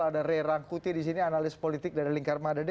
ada rey rangkuti disini analis politik dari lingkar madade